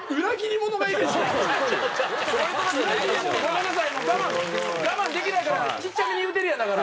もう我慢我慢できないからちっちゃめに言うてるやんだから。